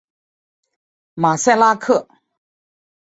马赛拉克。